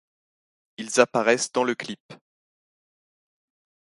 Ils apparaissent dans le clip.